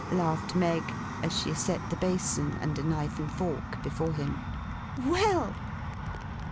laughed Meg, as she set the basin, and a knife and fork, before him. 'Well!